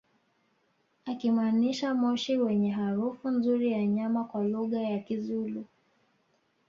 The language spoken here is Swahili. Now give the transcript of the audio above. akimaanisha moshi wenye harufu nzuri ya nyama kwa lugha ya kizulu